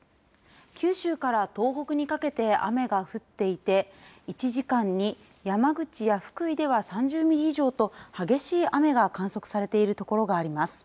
九州から東北にかけて雨が降っていて１時間に山口や福井では、３０ミリ以上と激しい雨が観測されている所があります。